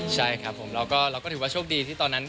ใช่ครับผมแล้วก็เราก็ถือว่าโชคดีที่ตอนนั้น